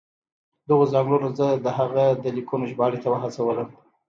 دغو ځانګړنو زه د هغه د لیکنو ژباړې ته وهڅولم.